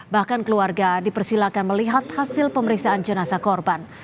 bahkan keluarga dipersilakan melihat hasil pemeriksaan jenazah korban